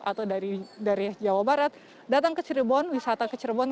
atau dari jawa barat datang ke cirebon wisata ke cirebon